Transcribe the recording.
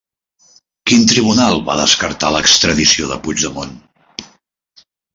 Quin tribunal va descartar l'extradició de Puigdemont?